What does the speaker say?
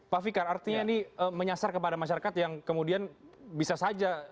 pak fikar artinya ini menyasar kepada masyarakat yang kemudian bisa saja